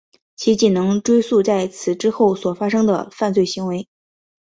其仅能追诉在此之后所发生的犯罪行为。